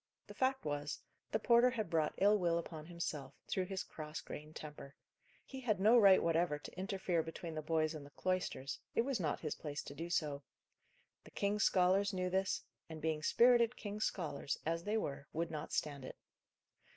The fact was, the porter had brought ill will upon himself, through his cross grained temper. He had no right whatever to interfere between the boys and the cloisters; it was not his place to do so. The king's scholars knew this; and, being spirited king's scholars, as they were, would not stand it.